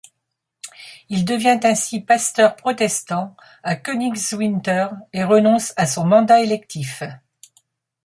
Il devient ainsi pasteur protestant à Königswinter et renonce à son mandat électif.